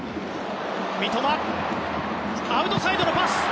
三笘アウトサイドのパス。